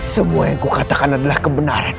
semua yang kukatakan adalah kebenaran